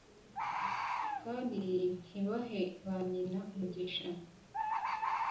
kandi ntibahe ba nyina umugisha